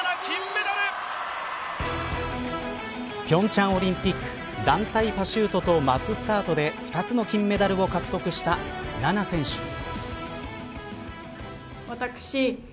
平昌オリンピック団体パシュートとマススタートで２つの金メダルを獲得した菜那選手。